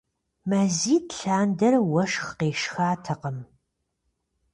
Мазитӏ лъандэрэ уэшх къешхатэкъым.